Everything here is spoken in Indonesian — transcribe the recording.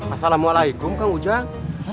assalamualaikum kang ujang